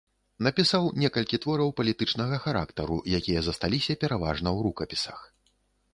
Напісаў некалькі твораў палітычнага характару, якія засталіся пераважна ў рукапісах.